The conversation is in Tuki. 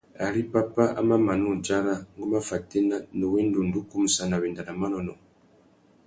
Ari pápá a mà mana udzara, ngu má fatēna, nnú wenda undú kumsana wenda nà manônōh.